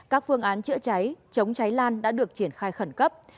các phương án chữa cháy chống cháy lan đã được triển khai khẩn cấp